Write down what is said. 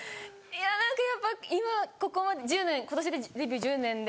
いや何かやっぱ今ここまで１０年今年でデビュー１０年で。